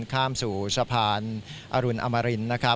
ข้ามสู่สะพานอรุณอมริน